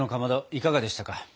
いかがでしたか？